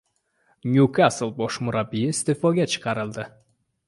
“Nyukasl” bosh murabbiyi iste’foga chiqarildi